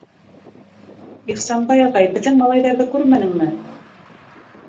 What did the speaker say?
Ихсанбай ағай, беҙҙең малайҙарҙы күрмәнеңме?